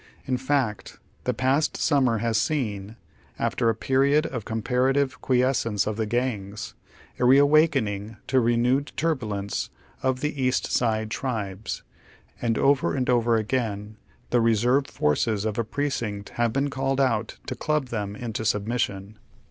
In fact, the past summer has seen, after a period of comparative quiescence of the gangs, a reawakening to I'enewed tur bulence of the East Side tribes, and over and over again the reserve forces of a precinct have been called out to club them into submission.